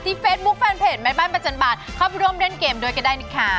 เฟซบุ๊คแฟนเพจแม่บ้านประจันบาลเข้าร่วมเล่นเกมด้วยก็ได้นะคะ